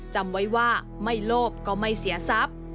จำไว้ว่าไม่โลบก็ไม่เสียซับ